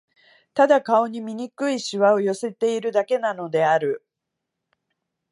ただ、顔に醜い皺を寄せているだけなのである